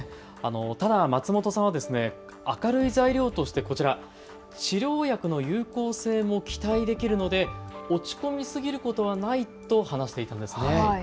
ただ松本さんは明るい材料としてこちら治療薬の有効性も期待できるので落ち込みすぎることはないと話しているんです。